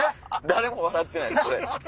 誰も笑ってないこれ。